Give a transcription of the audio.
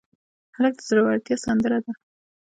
هلک د زړورتیا سندره ده.